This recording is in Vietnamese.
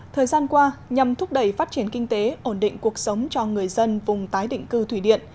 thời gian qua nhằm thúc đẩy phát triển kinh tế ổn định cuộc sống cho người dân vùng tái định cư thủy điện